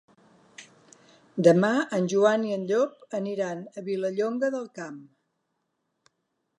Demà en Joan i en Llop aniran a Vilallonga del Camp.